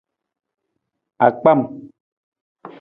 Akpam.